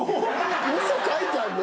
嘘書いてあんの！？